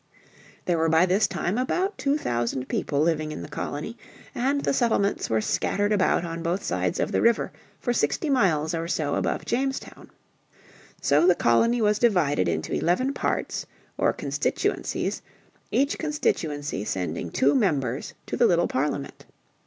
There were by this time about two thousand people living in the colony, and the settlements were scattered about on both sides of the river for sixty miles or so above Jamestown. So the colony was divided into eleven parts or constituencies, each constituency sending two members to the little parliament.